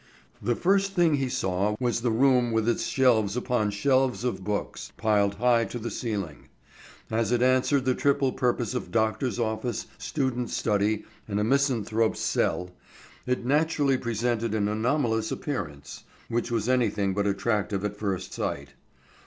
The first thing he saw was the room with its shelves upon shelves of books, piled high to the ceiling. As it answered the triple purpose of doctor's office, student's study, and a misanthrope's cell, it naturally presented an anomalous appearance, which was anything but attractive at first sight.